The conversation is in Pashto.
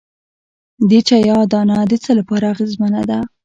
د چیا دانه د څه لپاره اغیزمنه ده؟